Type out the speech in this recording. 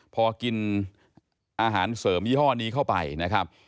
พอกินอาหารเสริมยี่ห้อนี้เข้าไปนะครับ